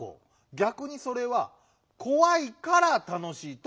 ぎゃくにそれは「こわいからたのしい」ともいえるぞ。